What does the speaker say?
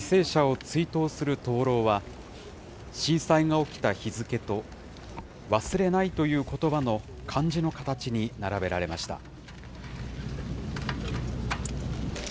犠牲者を追悼する灯籠は、震災が起きた日付と、忘れないということばの漢字の形に並べられました。